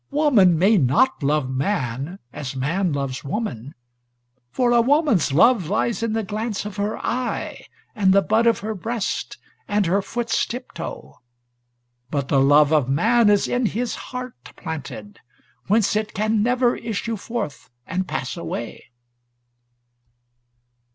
Woman may not love man as man loves woman, for a woman's love lies in the glance of her eye, and the bud of her breast, and her foot's tip toe, but the love of man is in his heart planted, whence it can never issue forth and pass away."